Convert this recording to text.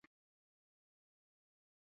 Amefika kwetu.